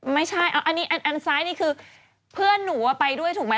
ไม่ใช่อันนี้อันซ้ายนี่คือเพื่อนหนูไปด้วยถูกไหม